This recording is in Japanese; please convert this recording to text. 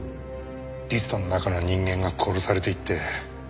リストの中の人間が殺されていって。